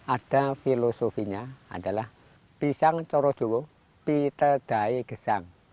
ada filosofinya adalah pisang coro joro piter dae gesang